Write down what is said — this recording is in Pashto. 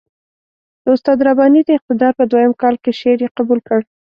د استاد رباني د اقتدار په دویم کال کې شعر یې قبول کړ.